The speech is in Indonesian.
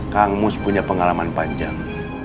kang mus punya pengalaman panjang